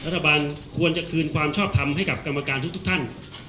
รัฐบาลควรจะคืนความชอบทำให้กับกรรมการทุกท่าน